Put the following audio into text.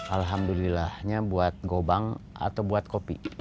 alhamdulillahnya buat gobang atau buat kopi